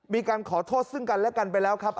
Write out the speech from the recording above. มีการขอโทษซึ่งกันและกันไปแล้วครับ